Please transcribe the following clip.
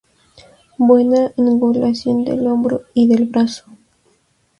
Buena angulación del hombro y del brazo.